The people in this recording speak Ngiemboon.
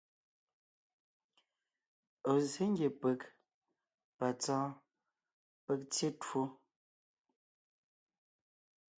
Ɔ̀ zsě ngie peg ,patsɔ́ɔn, peg tyé twó.